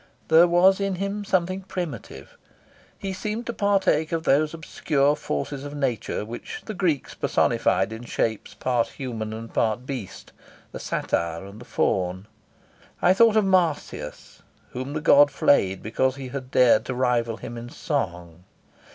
There was in him something primitive. He seemed to partake of those obscure forces of nature which the Greeks personified in shapes part human and part beast, the satyr and the faun. I thought of Marsyas, whom the god flayed because he had dared to rival him in song.